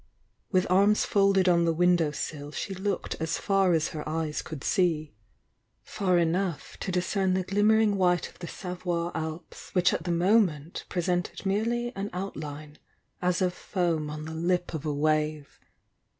With arms folded on the window sill she looked as far as her eyes could see far enough to discern the glimmering white of the Savoy Alps which at the moment presented merely an outline, as of foam on the lip of a wave.